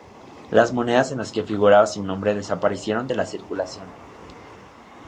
Las monedas en las que figuraba su nombre desaparecieron de la circulación.